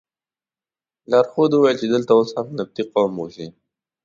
لارښود وویل چې دلته اوس هم نبطي قوم اوسي.